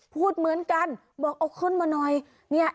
พูดเหมือนกันบอกเอาขึ้นมาหน่อยเนี่ย